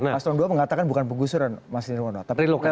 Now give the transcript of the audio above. pasang dua mengatakan bukan penggusuran mas nirwono